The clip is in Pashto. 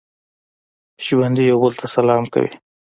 ژوندي یو بل ته سلام کوي